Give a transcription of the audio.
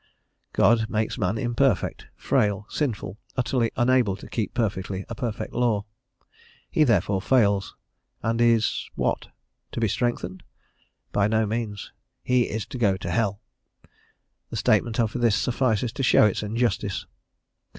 God makes man imperfect, frail, sinful, utterly unable to keep perfectly a perfect law: he therefore fails, and is what? To be strengthened? by no means; he is to go to hell. The statement of this suffices to show its injustice.